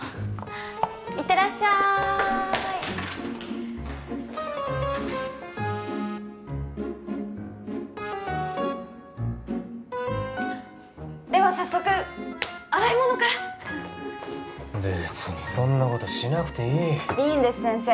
行ってらっしゃいでは早速洗い物から別にそんなことしなくていいいいんです先生